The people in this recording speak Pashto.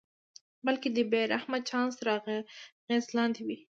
بلکې د بې رحمه چانس تر اغېز لاندې وي.